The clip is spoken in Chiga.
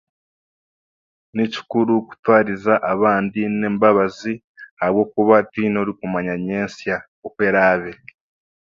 Ni kikuru kutwariza abandi n'embabazi ahabwokuba ahabwokuba tiine okumanya nyesya oku eraabe